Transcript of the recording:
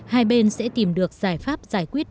hai bên sẽ tìm được giải pháp giải quyết